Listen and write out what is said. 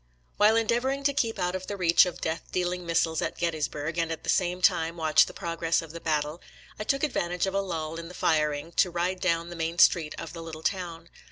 While endeavoring to keep out of the reach of death dealing missiles at Gettysburg, and at the same time watch the progress of the battle, I took advantage of a lull in the firing to ride down the main street of the little town.